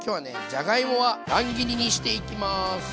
じゃがいもは乱切りにしていきます。